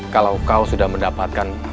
kalau kau sudah mendapatkan